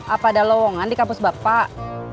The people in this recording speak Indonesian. apa ada lowongan di kampus bapak